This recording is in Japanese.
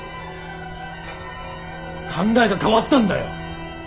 考えが変わったんだよ。